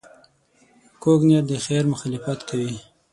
کوږ نیت د خیر مخالفت کوي